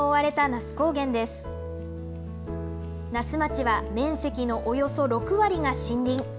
那須町は面積のおよそ６割が森林。